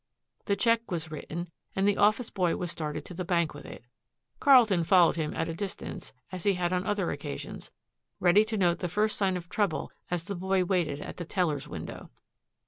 The check was written and the office boy was started to the bank with it. Carlton followed him at a distance, as he had on other occasions, ready to note the first sign of trouble as the boy waited at the teller's window.